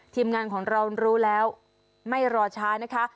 ทีมงานของเรารู้แล้วไม่รอช้านะคะ